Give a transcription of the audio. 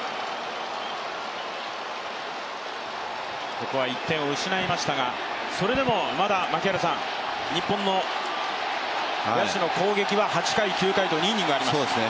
ここは１点を失いましたがそれでもまだ日本の野手の攻撃は８回、９回と２イニングあります。